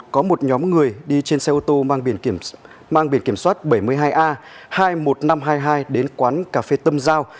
có một nhóm người đi trên xe ô tô mang biển kiểm soát bảy mươi hai a hai mươi một nghìn năm trăm hai mươi hai đến quán cà phê tâm giao